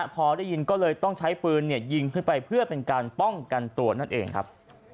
พอได้ยินก็เลยต้องใช้ปืนยิงขึ้นไปเพื่อเป็นการป้องกันตัวนั่นเองครับ